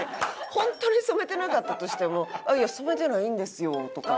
ホントに染めてなかったとしても「いや染めてないんですよ」とか。